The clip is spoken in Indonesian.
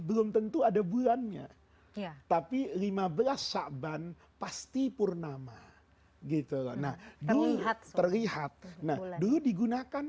belum tentu ada bulannya tapi lima belas saban pasti purnama gitu loh nah bulat terlihat nah dulu digunakan